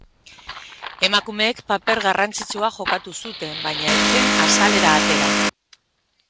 Emakumeek paper garrantzitsua jokatu zuten, baina ez zen azalera atera.